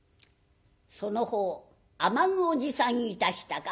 「その方雨具を持参いたしたか？」。